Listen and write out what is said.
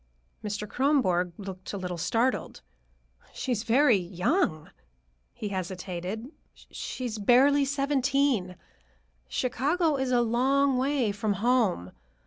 Mr. Kronborg looked a little startled. "She is very young," he hesitated; "she is barely seventeen. Chicago is a long way from home.